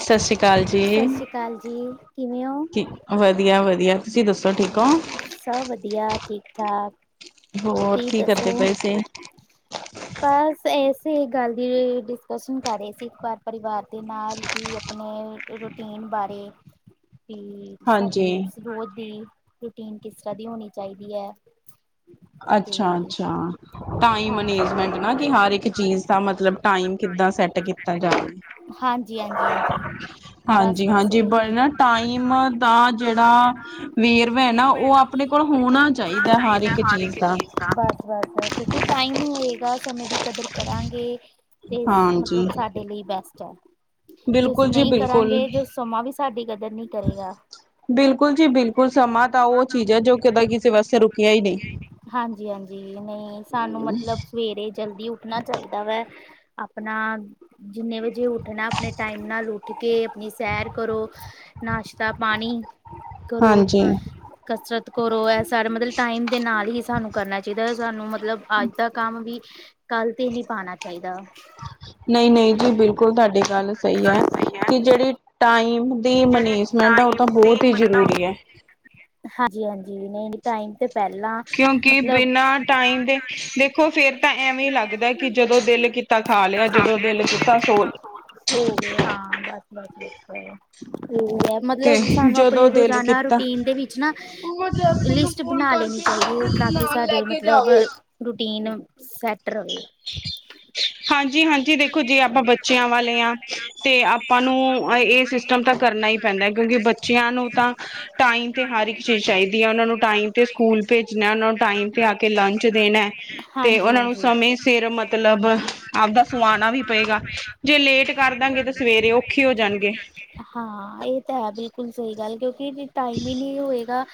ਸਤਿ ਸ਼੍ਰੀ ਅਕਾਲ, ਸਤਿ ਸ਼੍ਰੀ ਅਕਾਲ ਜੀ ਕਿਵੇਂ ਹੋ? ਠੀਕ ਵਧੀਆ-ਵਧੀਆ ਤੁਸੀਂ ਵਧੀਆ, ਦੱਸੋ ਵਧੀਆ ਠੀਕ ਤੁਸੀਂ ਹੋ? ਦੱਸੋ ਸਗੋਂ? ਸਭ ਵਧੀਆ, ਠੀਕ ਠਾਕ ਹੋਰ ਤੁਸੀਂ ਕੀ ਦੱਸੋ? ਕਰਦੇ ਪਏ ਸੀ? ਬਸ ਇਸੇ ਗੱਲ ਦੀ ਡਿਸਕਸ਼ਨ ਕਰ ਰਹੇ ਸੀ ਘਰ ਪਰਿਵਾਰ। ਅਤੇ ਨਾਲ ਹੀ ਆਪਣੇ ਰੂਟੀਨ ਬਾਰੇ ਵੀ ਹਾਂਜੀ। ਸਾਡੀ ਰੋਜ਼ ਦੀ ਰੂਟੀਨ ਕਿਸ ਤਰ੍ਹਾਂ ਦੀ ਹੋਣੀ ਚਾਹੀਦੀ ਹੈ? ਤੇ ਅੱਛਾ, ਅੱਛਾ ਟਾਈਮ ਹਾਂਜੀ ਮਨੇਜਮੈਂਟ ਨਾ ਕਿ ਹਰ ਇੱਕ ਚੀਜ਼ ਦਾ ਮਤਲਬ। ਟਾਈਮ ਕਿੱਦਾਂ ਸੈੱਟ ਕੀਤਾ ਜਾਵੇ। ਹਾਂਜੀ ਹਾਂਜੀ ਹਾਂਜੀ ਬਸ ਹਾਂਜੀ, ਬਸ ਹਾਂਜੀ ਇਹੀ ਪਰ ਨਾ ਟਾਈਮ ਦਾ ਜਿਹੜਾ। ਵੇਰਵਾ ਹੈ ਨਾ ਉਹ ਆਪਣੇ ਕੋਲ ਹੋਣਾ ਚਾਹੀਦਾ ਹਰ ਇੱਕ ਚੀਜ਼ ਦਾ। ਬਸ ਬਸ ਕਿਉਂਕਿ ਟਾਈਮ ਹੋਏਗਾ ਸਮੇਂ ਦੀ ਕਦਰ ਕਰਾਂਗੇ ਤੇ ਮਤਲਬ ਹਾਂਜੀ ਸਾਡੇ। ਲਈ ਬੈਸਟ ਹੈ ਜੇ ਅਸੀਂ ਬਿਲਕੁਲ ਜੀ ਨਹੀਂ ਬਿਲਕੁਲ। ਕਰਾਂਗੇ ਜੋੇ ਸਮਾਂ ਵੀ ਸਾਡੀ ਕਦਰ ਨਹੀਂ ਕਰੇਗਾ। ਬਿਲਕੁਲ ਜੀ ਬਿਲਕੁਲ ਸਮਾਂ ਤਾਂ ਉਹ ਚੀਜ਼ ਹੈ ਜੋ ਕਦੀ ਕਿਸੇ ਵਾਸਤੇ ਰੁਕਿਆ ਹੀ ਨਹੀਂ। ਹਾਂਜੀ, ਹਾਂਜੀ ਨਹੀਂ ਸਾਨੂੰ ਮਤਲਬ। ਸਵੇਰੇ ਜਲਦੀ ਉੱਠਣਾ ਚਾਹੀਦਾ ਵੈ ਆਪਣਾ ਜਿੰਨੇ ਵ ਜੇ ਉੱਠਣਾ ਆਪਣੇ ਟਾਈਮ ਨਾਲ ਉੱਠ ਕੇ ਆਪਣੀ ਸੈਰ ਕਰੋ। ਨਾਸ਼ਤਾ ਪਾਣੀ ਕਰੋ ਹਾਂਜੀ। ਕਸਰਤ ਕਰੋ। ਐਸ ਸਾਨੂੰ ਮਤਲਬ ਟਾਈਮ ਦੇ ਨਾਲ ਹੀ ਸਾਨੂੰ ਕਰਨਾ ਚਾਹੀਦਾ। ਸਾਨੂੰ ਮਤਲਬ ਅੱਜ ਦਾ ਕੰਮ ਵੀ ਕੱਲ ਤੇ ਨਹੀਂ ਪਾਉਣਾ ਚਾਹੀਦਾ। ਨਹੀਂ, ਨਹੀਂ ਜੀ ਬਿਲਕੁਲ ਤੁਹਾਡੀ ਗੱਲ ਸਹੀ ਹੈ। ਕਿ ਜਿਹੜੀ ਟਾਈਮ ਦੀ ਮੈਨੇਜਮੈਂਟ ਹੈ ਉਹ ਤਾਂ ਬਹੁਤ ਹੀ ਜ਼ਰੂਰੀ ਹੈ। ਹਾਂਜੀ ਹਾਂਜੀ ਨਹੀਂ ਟਾਈਮ ਤੇ ਪਹਿਲਾਂ ਕਿਉਂਕਿ ਮਤਲਬ ਬਿਨਾਂ ਟਾਈਮ ਦੇ ਦੇਖੋ। ਫੇਰ ਤਾਂ ਐਵੇਂ ਲੱਗਦਾ ਕਿ ਜਦੋਂ ਦਿਲ ਜਦੋਂ ਦਿਲ ਕੀਤਾ ਖਾ ਲਿਆ ਜਦੋਂ ਦਿਲ ਕੀਤਾ ਸੋ ਲਿਆ। ਸੌ, ਹਾਂ, ਬਸ, ਬਸ, ਬਸ। ਹਾਂਜੀ ਹਾਂ ਤੇ ਮਤਲਬ ਸਾਨੂੰ ਆਪਣੇ ਜਦੋਂ ਦਿਲ ਰੋਜ਼ਾਨਾ ਕੀਤਾ ਰੂਟੀਨ ਦੇ ਵਿੱਚ ਨਾ ਮੈਂ ਜੈਸਨ ਨੂੰ ਲਿਸਟ ਫੋਨ ਬਣਾ ਲੈਣੀ ਕਰਕੇ ਚਾਹੀਦੀ ਹੈ। ਤਾਂ ਕਿ ਨਾਲ ਲੈ ਸਾਡੇ ਕੇ ਮਤਲਬ ਜਾਵੇ। ਰੂਟੀਨ ਸੈਟ ਰਵੇ। ਹਾਂਜੀ ਹਾਂਜੀ ਦੇਖੋ, ਜੇ ਆਪਾਂ ਬੱਚਿਆਂ ਵਾਲੇ ਹਾਂ ਤੇ ਆਪਾਂ ਨੂੰ ਇਹ ਸਿਸਟਮ ਤਾਂ ਕਰਨਾ ਹੀ ਪੈਂਦਾ ਕਿਉਂਕਿ ਬੱਚਿਆਂ ਨੂੰ ਤਾਂ ਟਾਈਮ ਤੇ ਹਰ ਇੱਕ ਚੀਜ਼ ਚਾਹੀਦੀ ਹੈ। ਉਹਨਾਂ ਨੂੰ ਟਾਈਮ ਤੇ ਸਕੂਲ ਭੇਜਣਾ। ਉਹ ਨੂੰ ਟਾਈਮ ਤੇ ਆ ਕੇ ਲੰਚ ਦੇਣਾ। ਤੇ ਹਾਂਜੀ ਉਹਨਾਂ ਨੂੰ ਹਾਂਜੀ ਸਮੇਂ ਸਿਰ ਮਤਲਬ ਆਪਦਾ ਸੁਆਣਾ ਵੀ ਪਏਗਾ ਜੇ ਲੇਟ ਕਰ ਦਾਂਗੇ ਤਾਂ ਸਵੇਰੇ ਔਖੇ ਹੋ ਜਾਣਗੇ। ਹਾਂ, ਇਹ ਤਾਂ ਹੈ, ਬਿਲਕੁਲ ਸਹੀ ਗੱਲ ਕਿਉਂਕਿ ਟਾਈਮ ਹੀ ਨਹੀਂ ਹੋਏਗਾ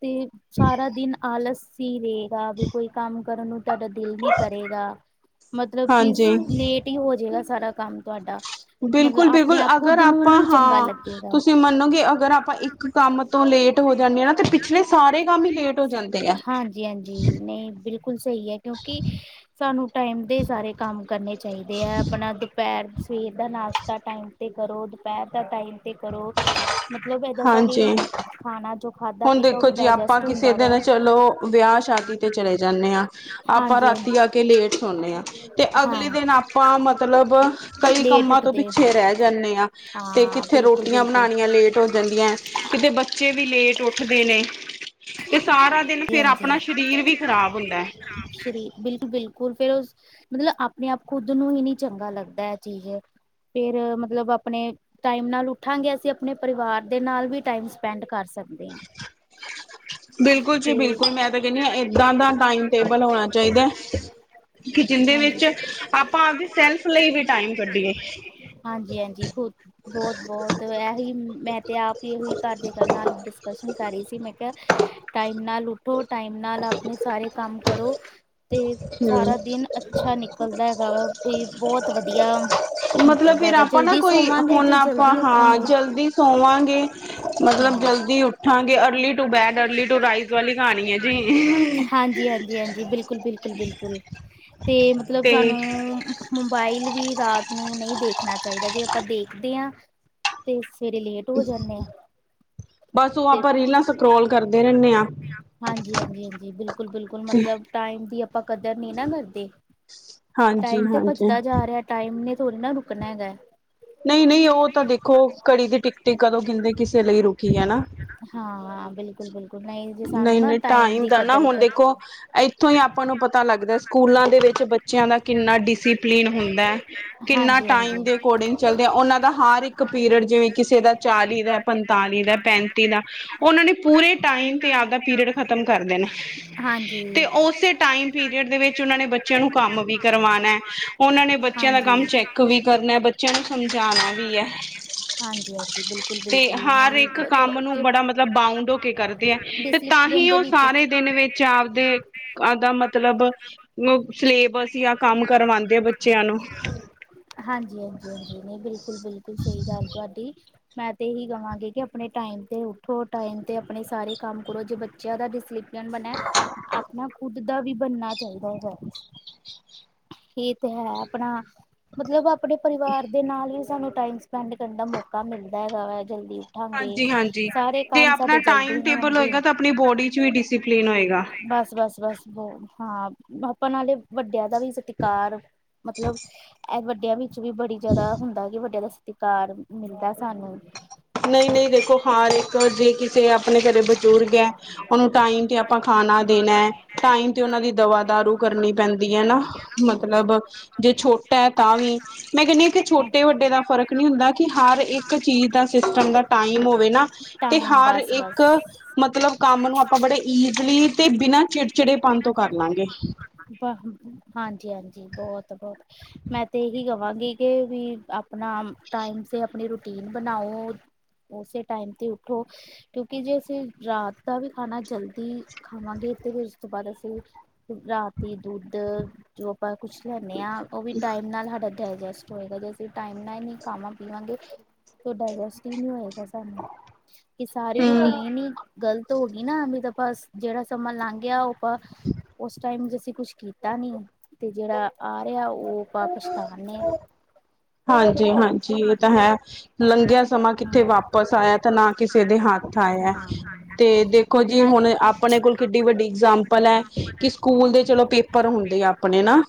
ਤੇ ਸਾਰਾ ਦਿਨ ਆਲਸ ਹੀ ਰਹੇਗਾ। ਵੀ ਕੋਈ ਕੰਮ ਕਰਨ ਨੂੰ ਤੁਹਾਡਾ ਦਿਲ ਨੀ ਕਰੇਗਾ। ਮਤਲਬ ਕਿ ਹਾਂਜੀ ਲੇਟ ਹੀ ਹੋ ਜਾਏਗਾ। ਸਾਰਾ ਕੰਮ ਤੁਹਾਡਾ ਮਤਲਬ ਆਪਣੇ ਬਿਲਕੁਲ-ਬਿਲਕੁਲ ਆਪ ਅਗਰ ਖੁੱਦ ਨੂੰ ਆਪਾਂ ਨਹੀਂ ਚੰਗਾ ਹਾਂ ਲੱਗੇਗਾ। ਤੁਸੀਂ ਮੰਨੋਗੇ ਅਗਰ ਆਪਾਂ ਇੱਕ ਕੰਮ ਤੋਂ ਲੇਟ ਹੋ ਜਾਂਦੇ ਹਾਂ ਨਾ ਤੇ ਪਿਛਲੇ ਸਾਰੇ ਕੰਮ ਹੀ ਲੇਟ ਹੋ ਜਾਂਦੇ ਆ। ਜੀ ਹਾਂਜੀ, ਨਹੀਂ, ਬਿਲਕੁਲ ਸਹੀ ਹੈ, ਕਿਉਂਕਿ। ਸਾਨੂੰ ਟਾਈਮ ਦੇ ਸਾਰੇ ਕੰਮ ਕਰਨੇ ਚਾਹੀਦੇ ਹੈ। ਆਪਣਾ ਦੁਪਹਿਰ ਸਵੇਰ ਦਾ ਨਾਸ਼ਤਾ ਟਾਈਮ ਤੇ ਕਰੋ। ਦੁਪਹਿਰ ਦਾ ਟਾਈਮ ਤੇ ਕਰੋ। ਮਤਲਬ ਏਦਾਂ ਸਾਡੀ ਹਾਂਜੀ। ਖਾਣਾ ਜੋ ਖਾਧਾ ਹੁਣ ਪੀਤਾ ਉਹ ਦੇਖੋ ਵੀ ਜੇ ਆਪਾਂ ਡਾਇਜੈਸਟ ਕਿਸੇ ਹੁੰਦਾ ਵਾ ਦਿਨ ਚਲੋ ਵਿਆਹ ਸ਼ਾਦੀ ਤੇ ਚਲੇ ਜਾਂਦੇ ਹਾਂ। ਆਪਾਂ ਹਾਂਜੀ ਰਾਤੀ ਆ ਕੇ ਲੇਟ ਸੌਦੇ ਹਾਂ। ਤੇ ਹਾਂ ਅਗਲੇ ਦਿਨ ਆਪਾਂ ਮਤਲਬ ਕਈ ਲੇਟ ਕੰਮਾਂ ਤੋਂ ਉੱਠਦੇ ਪਿੱਛੇ ਰਹਿ ਜਾਂਦੇ ਹਾਂ। ਤੇ ਹਾਂ ਕਿੱਥੇ ਬਿਲਕੁਲ ਰੋਟੀਆਂ ਬਣਾਉਣੀਆਂ ਲੇਟ ਹੋ ਜਾਂਦੀਆਂ ਕਿਤੇ ਬੱਚੇ ਵੀ ਲੇਟ ਉੱਠਦੇ ਨੇ ਤੇ ਸਾਰਾ ਦਿਨ ਫੇਰ ਆਪਣਾ ਸਰੀਰ ਵੀ ਖ਼ਰਾਬ ਹੁੰਦਾ ਹੈ। ਸਹੀ ਬਿਲਕੁਲ- ਬਿਲਕਲ ਹੁਣ ਫਿਰ ਉਸ ਮਤਲਬ ਆਪਣੇ ਆਪ ਖੁੱਦ ਨੂੰ ਹੀ ਨਹੀਂ ਚੰਗਾ ਲੱਗਦਾ ਇਹ ਚੀਜ਼ ਫੇਰ ਮਤਲਬ ਆਪਣੇ ਟਾਈਮ ਨਾਲ ਉਠਾਂਗੇ ਅਸੀਂ ਆਪਣੇ ਪਰਿਵਾਰ ਦੇ ਨਾਲ ਵੀ ਟਾਈਮ ਸਪੈਂਡ ਕਰ ਸਕਦੇ ਆਂ। [inaudible] ਬਿਲਕੁੱਲ ਜੀ ਤੇ ਬਿਲਕੁੱਲ ਮੈਂ ਤਾਂ ਕਹਿੰਦੀ ਹਾਂ ਏਦਾਂ ਦਾ ਟਾਇਮ ਟੇਬਲ ਹੋਣਾ ਚਾਹੀਦਾ। ਕੀ ਜਿੰਦੇ ਹਾਂਜੀ ਵਿੱਚ ਆਪਾਂ ਆਪਦੀ ਸੈਲਫ ਲਈ ਵੀ ਟਾਇਮ ਕੱਢੀਏ। ਹਾਂਜੀ- ਹਾਂਜੀ ਖੁੱਦ ਬਹੁਤ ਬਹੁਤ ਇਹੀ ਮੈਂ ਤੇ ਆਪ ਹੀ ਇਹੋ ਹੀ ਘਰ ਦੇ ਨਾਲ ਡਿਸਕਸ਼ਨ ਕਰ ਰਹੀ ਸੀ ਮੈਂ ਟਾਇਮ ਨਾਲ ਉੱਠੋ। ਟਾਈਮ ਨਾਲ ਆਪਣੇ ਸਾਰੇ ਕੰਮ ਕਰੋ ਤੇ ਹਮ ਸਾਰਾ ਦਿਨ ਅੱਛਾ ਨਿਕਲ ਨਿਕਲਦਾ ਹੈਗਾ ਵਾ ਵੀ ਬਹੁਤ ਵਧੀਆ ਮਤਲਬ ਨਿਕਲਦਾ ਫਿਰ ਹੈਗਾ ਆਪਾਂ ਨਾ ਜਲਦੀ ਕੋਈ ਸੋਵਾਂਗੇ ਹੁਣ ਤੇ ਆਪਾਂ ਜਲਦੀ ਹਾਂ ਉੱਠਾਂਗੇ ਜਲਦੀ ਸੋਵਾਂਗੇ। ਹਾਂ ਮਤਲਬ ਜਲਦੀ ਉਠਾਂਗੇ early to bed early to rise ਵਾਲੀ ਕਹਾਣੀ ਏ। ਹਾਂਜੀ -ਹਾਂਜੀ- ਹਾਂਜੀ ਬਿਲਕੁਲ- ਬਿਲਕੁਲ- ਬਿਲਕੁਲ ਤੇ ਮਤਲਬ ਤੇ ਸਾਨੂੰ ਏ। ਮੋਬਾਈਲ ਵੀ ਰਾਤ ਨੂੰ ਨਹੀਂ ਦੇਖਣਾ ਚਾਹੀਦਾ ਜੇ ਆਪਾਂ ਦੇਖਦੇ ਹਾਂ ਤੇ ਸਵੇਰੇ ਲੇਟ ਹੋ ਜਾਂਦੇ ਆ ਬੱਸ ਉਹ ਤੇ ਆਪਾਂ ਰੀਲਾਂ ਸਕ ਸਕਰੋਲ ਕਰਦੇ ਰਹਿੰਦੇ ਆਂ। ਟਾਇਮ ਦੀ ਆਪਾਂ ਕਦਰ ਨੀ ਨਾ ਕਰਦੇ ਹਾਂਜੀ ਟਾਇਮ ਤੇ ਹਾਂਜੀ ਭੱਜਦਾ ਜਾ ਰਿਹਾ। ਟਾਈਮ ਨੇ ਥੋੜਾ ਨਾ ਰੁਕਣਾ ਹੈਗਾ। ਨਹੀਂ -ਨਹੀਂ ਉਹ ਤਾਂ ਦੇਖੋ ਘੜੀ ਦੀ ਟਿਕ- ਟਿਕ ਕਦੋਂ ਕਿਂਦੇ ਕਿਸੇ ਲਈ ਰੁਕੀ ਹੈ ਨਾ। ਹਾਂ ਬਿਲਕੁਲ- ਬਿਲਕੁਲ ਨਹੀਂ ਜੇ ਸਾਨੂੰ ਨਾ ਟਾਈਮ ਦੀ ਕਦਰ ਉਥੋਂ ਹੀ ਆਪਾਂ ਨੂੰ ਪਤਾ ਲੱਗਦਾ ਸਕੂਲਾਂ ਦੇ ਵਿੱਚ ਬੱਚਿਆਂ ਦਾ ਕਿੰਨਾ ਡਿਸਪਲੀਿਨ ਹੁੰਦਾ। ਕਿੰਨਾ ਹਾਂਜੀ ਟਾਈਮ ਹਾਂਜੀ ਦੇ ਅਕੋਰਡਿੰਗ ਚੱਲਦੇ ਆ ਉਹਨਾਂ ਦਾ ਹਰ ਇੱਕ ਪੀਰੀਅਡ ਜਿਵੇਂ ਕਿਸੇ ਦਾ ਚਾਲੀ ਦਾ ਪੰਤਾਲੀ ਦਾ ਪੈਂਤੀ ਪੈਂਤੀ ਦਾ ਉਹਨਾਂ ਨੇ ਪੂਰੇ ਟਾਈਮ ਤੇ ਆਪਦਾ ਪੀਰੀਅਡ ਖਤਮ ਕਰ ਦੇਨਾ। ਹਾਂਜੀ ਤੇ ਉਸੇ ਟਾਈਮ ਪੀਰੀਅਡ ਦੇ ਵਿੱਚ ਉਹਨਾਂ ਨੇ ਬੱਚਿਆਂ ਨੂੰ ਕੰਮ ਵੀ ਕਰਵਾਂਣਾ। ਉਹਨਾਂ ਨੇ ਬੱਚਿਆਂ ਦਾ ਹਾਂਜੀ ਹਾਂਜੀ ਕੰਮ ਚੈੱਕ ਵੀ ਕਰਨਾ ਬ ਬਚਿਆਂ ਨੂੰ ਸਮਝਾਣਾ ਵੀ ਹੈ ਹਾਂਜੀ ਬਿਲਕੁਲ ਤੇ ਬਿਲਕੁਲ ਹਰ ਇੱਕ ਨਹੀਂ ਕੰਮ ਚਲੋ ਨੂੰ ਜੇ ਬੜਾ ਮਤਲਬ ਬਾਊਂਡ ਹੋ ਕੇ ਕਰਦੇ ਹੈ ਤੇ ਤਾਂ ਡਿਸਿਪਲਿਨ ਹੀ ਦੇ ਉਹ ਵਿੱਚ ਸਾਰੇ ਦਿਨ ਵਿੱਚ ਆਪਦੇ ਆਵਦਾ ਮਤਲਬ ਸਿਲੇਬਸ ਜਾਂ ਕੰਮ ਕਰਵਾਂਦੇ ਆ ਬੱਚਿਆਂ ਨੂੰ ਹਾਂਜੀ- ਹਾਂਜੀ- ਹਾਂਜੀ ਨਹੀਂ ਬਿਲਕ ਬਿਲਕੁਲ- ਬਿਲਕੁਲ ਸਹੀ ਗੱਲ ਤੁਹਾਡੀ ਮੈਂ ਤੇ ਇਹੀ ਕਵਾਂਗੀ ਕਿ ਆਪਣੇ ਟਾਈਮ ਤੇ ਉਠੋ ਟਾਈਮ ਤੇ ਆਪਣੇ ਸਾਰੇ ਕੰਮ ਕਰੋ ਜੇ ਬੱਚਿਆਂ ਦਾ ਡਿਸਪਲਨ ਬਣਾ। ਆਪਣਾ ਖੁੱਦ ਦਾ ਵੀ ਬਣਨਾ ਚਾਹੀਦਾ ਹੈ। ਇਹ ਤੇ ਹੈ ਆਪਣਾ ਮਤਲਬ ਆਪਣੇ ਪਰਿਵਾਰ ਦੇ ਨਾਲ ਹੀ ਸਾਨੂੰ ਟਾਈਮ ਸਪੈਂਡ ਕਰਨ ਦਾ ਮੌਕਾ ਮਿਲਦਾ ਹੈਗਾ ਵਾ। ਜਲਦੀ ਉਠਾਂਗੇ। ਹਾਂਜੀ ਹਾਂਜੀ ਸਾਰੇ ਜੇ ਕੰਮ ਆਪਣਾ ਸਾਡੇ ਜਲਦੀ ਟਾਈਮ ਟੇਬਲ ਹੋਣਗੇ ਹੋਏਗਾ ਤਾਂ ਆਪਣੀ ਬੋਡੀ ਚ ਵੀ ਡਿਸਿਪਲਿਨ ਹੋਏਗਾ ਬੱਸ- ਬੱਸ- ਬੱਸ ਹਾਂ ਆਪਾ ਨਾਲੇ ਵੱਡਿਆਂ ਦਾ ਵੀ ਸਤਿਕਾਰ ਮਤਲਬ ਇਹ ਵੱਡਿਆਂ ਵਿੱਚ ਵੀ ਬੜੀ ਜਿਆਦਾ ਹੁੰਦਾ ਕਿ ਵੱਡਿਆਂ ਦਾ ਸਤਿਕਾਰ ਮਿਲਦਾ ਸਾਨੂੰ ਨਹੀਂ -ਨਹੀਂ ਦੇਖੋ ਹਰ ਇੱਕ ਜੇ ਕਿਸੇ ਆਪਣੇ ਘਰੇ ਬਜ਼ੁਰਗ ਐ। ਉਹਨੂੰ ਟਾਈਮ ਤੇ ਆਪਾਂ ਖਾਣਾ ਦੇਣਾ। ਟਾਈਮ ਤੇ ਉਹਨਾਂ ਦੀ ਦਵਾ ਦਾਰੂ ਕਰਨੀ ਪੈਂਦੀ ਹੈ ਨਾ ਮਤਲਬ ਜੇ ਛੋਟਾ ਹੈ ਤਾਂ ਵੀ ਮੈਂ ਕਹਿੰਦੀ ਕਿ ਛੋਟੇ ਵੱਡੇ ਦਾ ਫ਼ਰਕ ਨਹੀਂ ਹੁੰਦਾ ਕਿ ਹਰ ਇੱਕ ਚੀਜ਼ ਦਾ ਸਿਸਟਮ ਦਾ ਟਾਈਮ ਹੋਵੇ ਨਾ ਤੇ ਟਾਈਮ ਹਰ ਬਸ ਇੱਕ ਬਸ ਮਤਲਬ ਕੰਮ ਨੂੰ ਆਪਾਂ ਬੜੇ ਈਜ਼ਲੀ ਤੇ ਬਿਨਾਂ ਚਿੜਚਿੜੇਪਨ ਤੋਂ ਕਰ ਲਾਂਗੇ। ਹਾਂਜੀ -ਹਾਂਜੀ ਬਹੁਤ- ਬਹੁਤ ਮੈਂ ਤੇ ਇਹੀ ਕਵਾਂਗੀ ਕਿ ਵੀ ਆਪਣਾ ਟਾਈਮ ਤੇ, ਆਪਣੀ ਰੂਟੀਨ ਬਣਾਓ। ਉਸੇ ਟਾਈਮ ਤੇ ਉੱਠੋ। ਕਿਉਂਕਿ ਜੇ ਅਸੀਂ ਰਾਤ ਦਾ ਵੀ ਖਾਣਾ ਜਲਦੀ ਖਾਵਾਂਗੇ, ਤੇ ਫਿਰ ਉਸ ਤੋਂ ਬਾਅਦ ਅਸੀਂ ਰਾਤ ਦੁੱਧ ਜੋ ਆਪਾਂ ਕੁੱਛ ਲੈਂਦੇ ਹਾਂ, ਉਹ ਵੀ ਟਾਈਮ ਨਾਲ ਹਜਮ ਡਾਇਜਸਟ ਹੋਏਗਾ ਜੇ ਅਸੀਂ ਟਾਈਮ ਨਾਲ ਹੀ ਨਹੀਂ ਖਾਵਾਂ ਪੀਵਾਂਗੇ ਤੇ ਡਾਇਜਸਟ ਹੀ ਨਹੀਂ ਹੋਏਗਾ। ਇਹ ਸਾਰੀ ਹਮ ਰੂਟੀਨ ਇਨੀ ਗ਼ਲਤ ਹੋ ਗਈ ਨਾ, ਵੀ ਤਾਂ ਆਪਾਂ ਜਿਹੜਾ ਸਮਾਂ ਲੰਘ ਗਿਆ, ਔ ਆਪਾਂ ਉਸ ਟਾਈਮ ਅਸੀਂ ਕੁਛ ਕੀਤਾ ਨੀ, ਤੇ ਜਿਹੜਾ ਆ ਰਿਹਾ ਉਹ ਵਾਪਸ ਤਾਂ ਆਣਾ ਨੀ। ਹਾਂਜੀ ਹਾਂਜੀ ਇਹ ਤਾਂ ਹੈ ਲੰਘਿਆ ਸਮਾਂ ਹਾਂ ਕਿੱਥੇ ਵਾਪਿਸ ਆਇਆ, ਤੇ ਨਾ ਕਿਸੇ ਦੇ ਹੱਥ ਆਇਆ। ਹਾਂ ਤੇ ਦੇਖੋ ਜੀ ਨਾਲ ਹੁਣ ਆਪਣੇ ਕੋਲ ਕਿੱਡੀ ਵੱਡੀ ਇਗਜਾਮਪਲ ਹੈ, ਕਿ ਸਕੂਲ ਦੇ ਚਲੋ ਪੇਪਰ ਹੁੰਦੇ ਆ ਆਪਣੇ ਨਾ।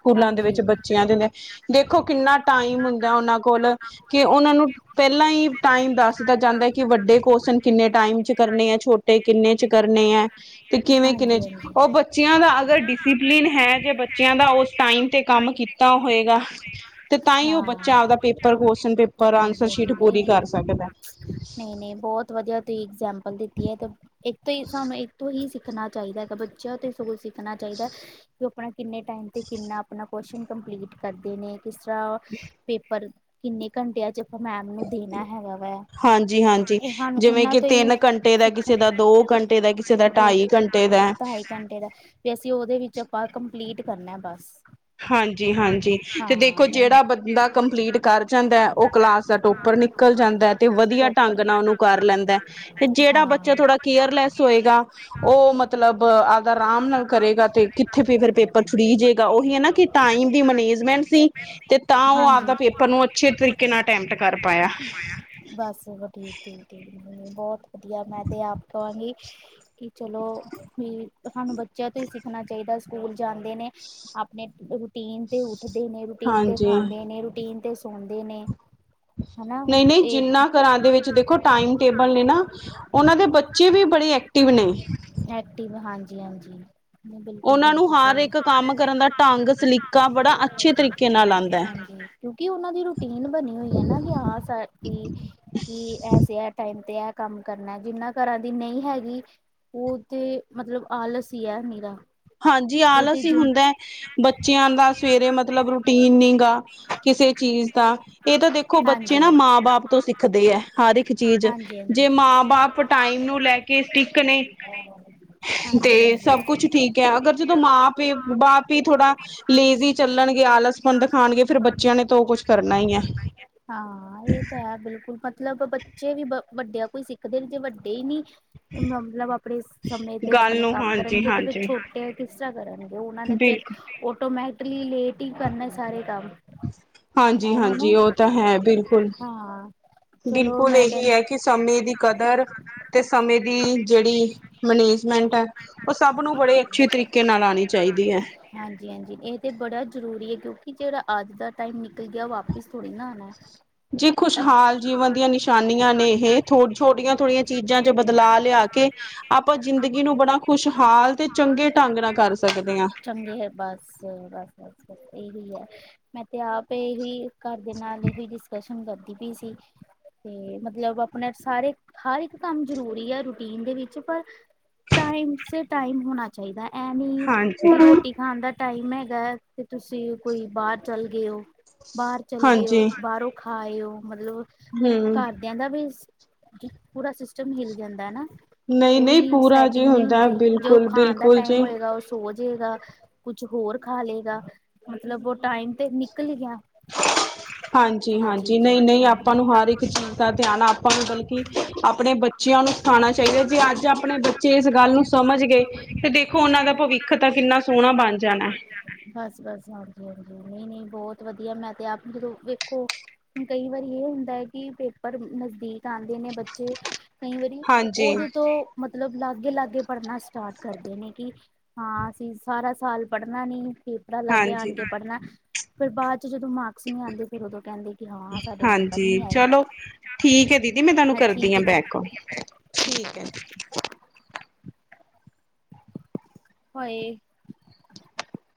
ਸਕੂਲਾਂ ਦੇ ਹਾਂਜੀ ਵਿੱਚ ਬੱਚਿਆਂ ਦੇਦੇ, ਦੇਖੋ ਕਿੰਨਾ ਟਾਈਮ ਹੁੰਦਾ ਉਹਨਾਂ ਕੋਲ, ਕਿ ਉਹਨਾਂ ਨੂੰ ਪਹਿਲਾਂ ਹੀ ਟਾਈਮ ਦੱਸਤਾ ਜਾਂਦਾ ਹੈ, ਕਿ ਵੱਡੇ ਕਵਸ਼ਨ ਕਿੰਨੇ ਟਾਈਮ ਚ ਕਰਨੇ ਹੈ, ਛੋਟੇ ਤੇ ਕਿੰਨੇ ਚ ਕਰਨੇ ਹੈ, ਤੇ ਕਿਵੇਂ ਹਾਂਜੀ ਕਿੰਨੇ ਚ, ਹਾਂਜੀ ਉਹ ਬੱਚੇ ਬੱਚਿਆਂ ਦਾ ਅਗਰ ਡਿਸਿਪਲਿਨ ਹੈ, ਜੇ ਬੱਚਿਆਂ ਦਾ ਉਸ ਟਾਈਮ ਤੇ ਕੰਮ ਕੀਤਾ ਹੋਏਗਾ। ਤੇ ਤਾਂ ਹੀ ਉਹ ਹਾਂ ਬੱਚਾ ਆਪਦਾ ਪੇਪਰ, ਕਵਸ਼ਨ ਪੇਪਰ ਹਾਂਜੀ ਆਨਸਰ ਸ਼ੀਟ ਪੂਰੀ ਕਰ ਸਕਦਾ। ਨੇ ਬਹੁਤ ਵਧੀਆ ਤੋਂ ਇਗਜ਼ਾਮਪਲ ਦਿੱਤੀ ਹੈ, ਤੇ ਇੱਕ ਤੋਂ ਹੀ, ਸਾਨੂੰ ਇੱਕ ਤੋਂ ਹੀ ਸਿੱਖਣਾ ਚਾਹੀਦਾ ਹੈਗਾ, ਬੱਚਿਆਂ ਤੇ ਸਗੋ ਸਿੱਖਣਾ ਚਾਹੀਦਾ ਕਿਉਂਕਿ ਆਪਣਾ ਕਿੰਨੇ ਟਾਈਮ 'ਤੇ ਕਿੰਨਾ ਆਪਣਾ ਪੋਰਸ਼ਨ ਕੰਪਲੀਟ ਕਰਦੇ ਨੇ, ਕਿਸ ਤਰ੍ਹਾਂ [inaudible] ਪੇਪਰ ਕਿੰਨੇ ਘੰਟਿਆਂ ਚ, ਆਪਾਂ ਮੈਮ ਨੂੰ ਦੇਣਾ ਹੈਗਾ ਵੈ। ਹਾਂਜੀ ਹਾਂਜੀ, ਜਿਵੇਂ ਕਿ ਤਿੰਨ ਘੰਟੇ ਦਾ, ਕਿਸੇ ਦਾ ਦੋ ਘੰਟੇ ਦਾ, ਕਿਸੇ ਦਾ ਦੋ ਢਾਈ ਘੰਟੇ ਦਾ। ਢਾਈ ਘੰਟੇ ਦਾ, ਤੇ ਅਸੀਂ ਉਹਦੇ ਵਿੱਚ ਆਪਾਂ ਕੰਪਲੀਟ ਕਰਨਾ ਬਸ। ਹਾਂਜੀ ਹਾਂਜੀ, ਹਾਂ ਤੇ ਦੇਖੋ ਨਹੀਂ ਜਿਹੜਾ ਬੰਦਾ ਕੰਪਲੀਟ ਕਰ ਜਾਂਦਾ, ਔ ਕਲਾਸ ਦਾ ਟੋਪਰ ਨਿਕਲ ਜਾਂਦਾ ਹੈ, ਤੇ ਵਧੀਆ ਟੋ ਢੰਗ ਨਾਲ ਉਹਨੂੰ ਕਰ ਲੈਂਦਾ, ਤੇ ਜਿਹੜਾ ਹਾਂ ਬੱਚਾ ਥੋੜਾ ਕੇਅਰਲੈਸ ਹੋਏਗਾ ਉਹ ਮਤਲਬ ਆਦਾ ਆਰਾਮ ਨਾਲ ਕਰੇਗਾ ਤੇ ਕਿੱਥੇ ਫਿਰ ਪੇਪਰ ਛੁੜੀ ਜਾੇਗਾ, ਔ ਏ ਨਾ ਕਿ ਟਾਈਮ ਦੀ ਮੈਨੇਜਮੈਂਟ ਸੀ ਤੇ ਤਾਂ ਉਹ ਆਪਦਾ ਹਾਂਜੀ ਪੇਪਰ ਨੂੰ, ਅੱਛੇ ਤਰੀਕੇ ਨਾਲ ਅਟੈਪਟ ਕਰ ਪਾਇਆ। ਬਸ ਉਹ ਠੀਕ ਜ ਬਹੁਤ ਵਧੀਆ, ਮੈਂ ਤਾਂ ਆਪ ਕਹਾਂਗੀ, ਕਿ ਚਲੋ ਵੀ ਸਾਨੂੰ ਬੱਚਿਆਂ ਤੋਂ ਹੀ ਸਿੱਖਣਾ ਚਾਹੀਦਾ, ਸਕੂਲ ਜਾਂਦੇ ਨੇ ਆਪਣੇ ਰੂਟੀਨ ਤੇ ਉੱਠਦੇ ਨੇ, ਰੂਟੀਨ ਤੇ ਹਾਂਜੀ ਖਾਂਦੇ ਨੇ, ਰੂਟੀਨ ਤੇ ਸੌਦੇ ਨੇ। ਹਨਾ ਨਹੀਂ ਨਹੀਂ, ਤੇ ਜਿੰਨਾ ਘਰਾਂ ਦੇ ਵਿੱਚ ਦੇਖੋ ਟਾਈਮ ਟੇਬਲ ਨੇ ਨਾ ਉਹਨਾਂ ਦੇ ਬੱਚੇ ਵੀ ਬੜੇ ਐਕਟਿਵ ਨੇ। ਐਕਟਿਵ ਹਾਂਜੀ ਹਾਂਜੀ ਬਿਲਕੁਲ ਉਹਨਾਂ ਨੂੰ ਬਿਲਕੁਲ ਹਰ ਇੱਕ ਕੰਮ ਕਰਨ ਦਾ ਢੰਗ ਸਲੀਕਾ ਬੜਾ ਅੱਛੇ ਤਰੀਕੇ ਨਾਲ ਆਂਦਾ। ਹਾਂ, ਕਿਉਕਿ ਉਹਨਾਂ ਦੀ ਰੂਟੀਨ ਬਣੀ ਹੋਈ ਹੈ ਨਾ, ਕਿ ਹਾਂ ਵੀ, ਕਿ ਐਸੇ ਐ ਟਾਈਮ ਤੇ ਇਹ ਕੰਮ ਕਰਨਾ, ਜਿੰਨਾ ਘਰਾਂ ਦੀ ਨਹੀਂ ਹੈਗੀ ਉਹ ਤੇ ਮਤਲਬ, ਆਲਸ ਹੀ ਹੈ ਨੀਰਾ। ਹਾਂਜੀ ਆਲਸ ਹੀ ਹੁੰਦਾ ਹੈ, ਬੱਚਿਆਂ ਦਾ ਸਵੇਰੇ ਮਤਲਬ ਰੂਟੀਨ ਨੀ ਗਾ। ਕਿਸੇ ਚੀਜ਼ ਦਾ ਇਹ ਤਾਂ ਦੇਖੋ ਬੱਚੇ ਹਾਂਜੀ ਹਾਂਜੀ ਨਾ ਮਾਂ ਬਾਪ ਤੋਂ ਸਿੱਖਦੇ ਹੈ, ਹਰ ਇੱਕ ਚੀਜ਼। ਹਾਂਜੀ ਹਾਂਜੀ ਜੇ ਮਾਂ ਬਾਪ ਟਾਈਮ ਨੂੰ ਲੈ ਕੇ, ਸਟ੍ਰਿਕਟ ਨੇ ਹਾਂਜੀ ਤੇ ਹਾਂਜੀ ਸਭ ਕੁਛ ਠੀਕ ਹੈ, ਅਗਰ ਜਦੋਂ ਮਾਂ ਪਿ ਬਾਪ ਹੀ ਥੋੜਾ ਲੇਜ਼ੀ ਚੱਲਣਗੇ, ਆਲਸ ਹੀ ਹੈ ਹਾਂ, ਇਹ ਤੇ ਹੈ ਬਿਲਕੁਲ ਪਤਾ ਮਤਲਬ ਬੱਚੇ ਵੀ ਵੱਡਿਆਂ ਕੋਲੋ ਸਿੱਖਦੇ, ਜੇ ਵੱਡੇ ਹੀ ਨੀ ਮਤਲਬ ਆਪਣੇ ਸਮੇ ਤੇ ਗੱਲ ਆਪਣੇ ਨੂੰ ਕੰਮ ਹਾਂਜੀ ਕਰਨਗੇ ਤੇ ਫਿਰ ਹਾਂਜੀ ਛੋਟੇ ਕਿਸ ਤਰ੍ਹਾਂ ਕਰਨਗੇ। ਉਹਨਾਂ ਨੇ ਫਿਰ ਬਿਲਕੁਲ ਟੋਮੈ ਅਸੀਂ ਲੇਟ ਹੀ ਕਰਨਾ ਸਾਰੇ ਕੰਮ। ਹਾਂਜੀ- ਐਵੇਂ ਨਾ ਹਾਂਜੀ ਉਹ ਤਾਂ ਹੈ ਬਿਲਕੁਲ। ਹਾਂ ਚਲੋ ਬਿਲਕੁਲ ਮੈਂ ਕਹਿੰ ਇਹੀ ਹੈ ਕਿ ਸਮੇਂ ਦੀ ਕਦਰ ਤੇ ਸਮੇਂ ਦੀ ਜਿਹੜੀ ਮੈਨੇਜਮੈਂਟ ਹੈ। ਔ ਸਭ ਨੂੰ, ਬੜੇ ਅੱਛੇ ਤਰੀਕੇ ਨਾਲ ਆਉਣੀ ਚਾਹੀਦੀ ਹੈ। ਹਾਂਜੀ ਹਾਂਜੀ, ਇਹ ਤੇ ਬੜਾ ਜ਼ਰੂਰੀ ਹੈ, ਕਿਉਂਕਿ ਜਿਹੜਾ ਅੱਜ ਦਾ ਟਾਈਮ ਨਿਕਲ ਗਿਆ, ਵਾਪਿਸ ਥੋੜ੍ਹੀ ਨਾ [inaudible] ਜੀ ਖੁਸ਼ਹਾਲ ਜੀਵਨ ਦੀਆਂ ਨਿਸ਼ਾਨੀਆਂ ਨੇ ਇਹ ਛੋਟੀਆਂ ਥੋੜੀਆਂ ਚੀਜ਼ਾਂ ਚ' ਬਦਲਾਅ ਲਿਆ ਕੇ ਆਪਾਂ ਜ਼ਿੰਦਗੀ ਨੂੰ ਬੜਾ ਖੁਸ਼ਹਾਲ ਤੇ ਚੰਗੇ ਢੰਗ ਨਾਲ ਕਰ ਸਕਦੇ ਹਾਂ। ਚੰਗੀ ਬਸ- ਬਸ- ਬਸ- ਬਸ ਇਹੀ ਹੈ ਮੈਂ ਤੇ ਆਪ ਇਹੀ ਘਰ ਦੇ ਨਾਲ ਇਹੋ ਹੀ ਡਿਸਕਸ਼ਨ ਕਰਦੀ ਪਈ ਸੀ। ਤੇ ਮਤਲਬ ਆਪਣੇ ਸਾਰੇ ਹਰ ਇੱਕ ਕੰਮ ਜਰੂਰੀ ਹੈ ਰੂਟੀਨ ਦੇ ਵਿੱਚ ਪਰ ਟਾਈਮ ਸ ਟਾਈਮ ਹੋਣਾ ਚਾਹੀਦਾ ਇਹ ਨੀ ਹਾਂਜੀ, ਕਿ ਰੋਟੀ ਖਾਣ ਦਾ ਟਾਈਮ ਹੈਗਾ। ਤੁਸੀਂ ਕੋਈ ਬਾਹਰ ਚੱਲ ਗਏ ਹੋ। ਬਾਹਰ ਚਲ ਗਏ ਹੋ ਹਾਂਜੀ, ਬਾਹਰੋਂ ਖਾਏ ਹੋ। ਮਤਲਬ ਫੇਰ ਹੂੰ। ਘਰਦਿਆਂ ਦਾ ਵੀ ਪੂਰਾ ਸਿਸਟਮ ਹਿਲ ਜਾਂਦਾ ਨਾ। ਨਹੀਂ- ਉਹ ਨਹੀਂ ਵੀ ਪੂਰਾ ਜੀ ਸੈਟਿੰਗ ਨਹੀਂ ਹੁੰਦਾ ਹੁੰਦੀ ਜੋ ਬਿਲਕੁਲ- ਖਾਣ ਦਾ ਬਿਲਕੁਲ ਟਾਈਮ ਜੀ। ਹੋਏਗਾ ਉਹ ਸੋ ਜਾੇਗਾ। ਕੁਛ ਹੋਰ ਖਾ ਲਏਗਾ। ਮਤਲਬ ਉਹ ਟਾਈਮ ਤੇ ਨਿਕਲ ਗਿਆ। ਹਾਂਜੀ ਇਹ -ਹਾਂਜੀ ਚੀਜ਼ ਹੈ ਨਹੀਂ -ਨਹੀਂ ਆਪਾਂ ਨੂੰ ਹਰ ਇੱਕ ਚੀਜ਼ ਦਾ ਧਿਆਨ ਆਪਾਂ ਨੂੰ ਬਲਕਿ ਆਪਣੇ ਬੇ ਬੱਚਿਆਂ ਨੂੰ ਸਿਖਾਉਣਾ ਚਾਹੀਦਾ ਜੇ ਅੱਜ ਆਪਣੇ ਬੱਚੇ ਇਸ ਗੱਲ ਨੂੰ ਸਮਝ ਗਏ। ਤੇ ਦੇਖੋ ਉਹਨਾਂ ਦਾ ਭਵਿੱਖ ਤਾਂ ਕਿੰਨਾ ਸੋਹਣਾ ਬਣ ਜਾਣਾ। ਬਸ- ਬਸ, ਹਾਂਜੀ- ਹਾਂਜੀ, ਨਹੀਂ -ਨਹੀਂ ਬਹੁਤ ਵਧੀਆ ਮੈਂ ਤੇ ਆਪ ਜਦੋਂ ਵੇਖੋ ਕਈ ਵਾਰੀ ਇਹ ਹੁੰਦਾ ਹੈ ਕਿ ਪੇਪਰ ਨਜ਼ਦੀਕ ਆਉਂਦੇ ਨੇ ਬੱਚੇ ਕਈ ਵਾਰੀ ਹਾਂਜੀ, ਉਹਦੇ ਤੋਂ ਮਤਲਬ ਲਾਗੇ- ਲਾਗੇ ਪੜ੍ਹਨਾ ਸਟਾਰਟ ਕਰਦੇ ਨੇ ਕਿ ਹਾਂ, ਅਸੀਂ ਸਾਰਾ ਸਾਲ ਪੜ੍ਹਨਾ ਨੀ ਪੇਪਰਾਂ ਲਾਗੇ ਆਣ ਹਾਂਜੀ, ਕੇ ਪੜ੍ਹਨਾ। ਫ਼ਿਰ ਬਾਅਦ ਚ ਜਦੋਂ ਮਾ ਨ ਆਂਦੇ ਫਿਰ ਦੋਂ ਕਹਿੰਦੇ ਕਿ ਹਾਂ ਸਾਡੇ ਨੰਬਰ ਹਾਂਜੀ ਨੀ ਆਏ। ਚਲੋ ਠੀਕ ਹੈ ਦੀਦੀ ਮੈਂ ਤੁਹਾਨੂੰ ਹ ਕਰਦੀ ਠੀਕ ਹਾਂ ਹੈ ਜੀ। Back call. ਠੀਕ। ਹੋਏ।